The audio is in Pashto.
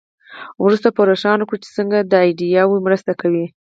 وروسته به روښانه کړو چې څنګه دا ایډیاوې مرسته کوي.